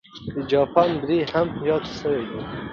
د جاپان بری هم یاد سوی دی.